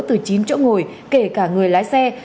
từ chín chỗ ngồi kể cả người lái xe